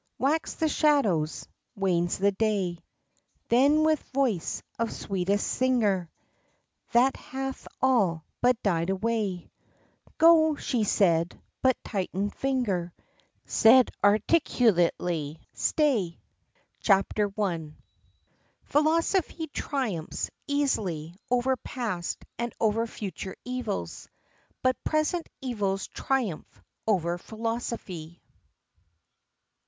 Wax the shadows, wanes the day." Then, with voice of sweetest singer, That hath all but died away, "Go," she said, but tightened finger Said articulately, "Stay!" CHAPTER I. "Philosophy triumphs easily over past and over future evils, but present evils triumph over philosophy."